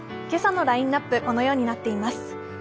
今朝のラインナップ、このようになっています。